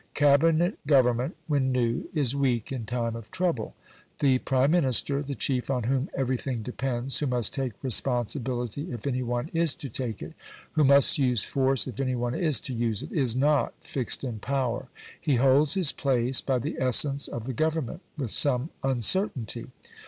Cabinet government, when new, is weak in time of trouble. The Prime Minister the chief on whom everything depends, who must take responsibility if any one is to take it, who must use force if any one is to use it is not fixed in power. He holds his place, by the essence of the Government, with some uncertainty.